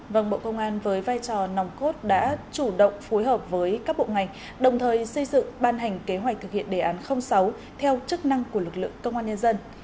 vâng bộ công an với vai trò nòng cốt đã chủ động phối hợp với các bộ ngành đồng thời xây dựng ban hành kế hoạch thực hiện đề án sáu theo chức năng của lực lượng công an nhân dân